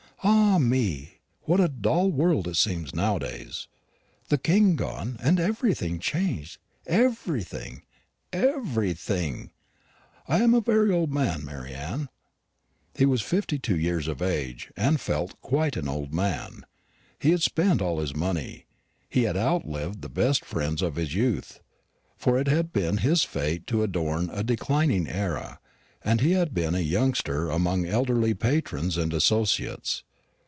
Ah me! what a dull world it seems nowadays! The King gone, and everything changed everything everything! I am a very old man, Mary Anne." He was fifty two years of age; he felt quite an old man. He had spent all his money, he had outlived the best friends of his youth; for it had been his fate to adorn a declining era, and he had been a youngster among elderly patrons and associates.